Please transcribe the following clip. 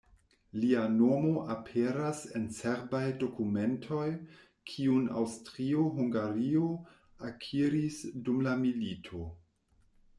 Lia nomo aperas en serbaj dokumentoj, kiun Aŭstrio-Hungario akiris dum la milito.